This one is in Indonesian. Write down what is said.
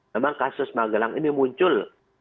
memang kasus magelang ini muncul